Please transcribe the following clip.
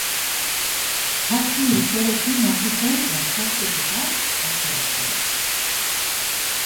Zazpi urterekin hasi zen lasterketetan parte hartzen.